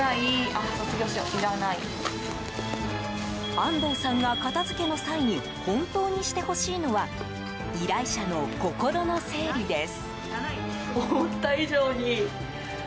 安東さんが片付けの際に本当にしてほしいのは依頼者の心の整理です。